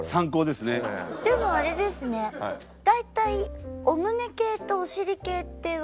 でもあれですね大体。